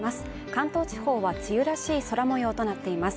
関東地方は梅雨らしい空模様となっています。